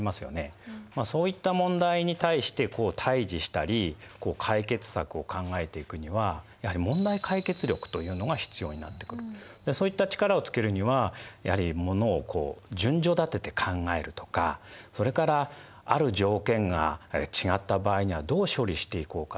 そういった問題に対して対峙したり解決策を考えていくにはやはりそういった力をつけるにはやはりものを順序立てて考えるとかそれからある条件が違った場合にはどう処理していこうかと。